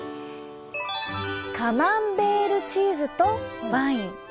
カマンベールチーズとワイン。